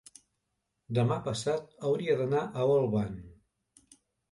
demà passat hauria d'anar a Olvan.